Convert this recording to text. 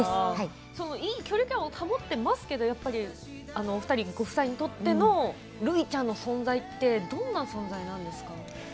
いい距離感を保っていますけどお二人、ご夫妻にとってのるいちゃんの存在ってどんな存在なんですか？